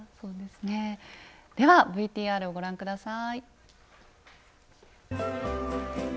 ではＶＴＲをご覧下さい。